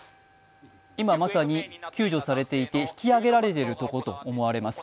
今、まさに救助されていて引き揚げられているところと思われます。